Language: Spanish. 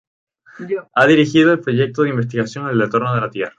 Ha dirigido el proyecto de investigación 'El retorno a la tierra.